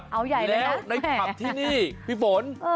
และในภัพที่นี่พี่ฝน